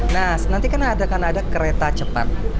nah nanti kan akan ada kereta cepat